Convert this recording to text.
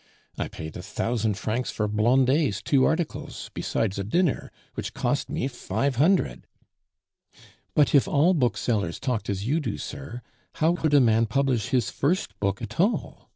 I paid a thousand francs for Blondet's two articles, besides a dinner, which cost me five hundred " "But if all booksellers talked as you do, sir, how could a man publish his first book at all?"